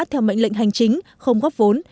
theo mệnh lệnh hành chính không góp vốn